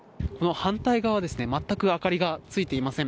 反対側全く明かりがついていません。